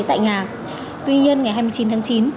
tại nga tuy nhiên ngày hai mươi chín tháng chín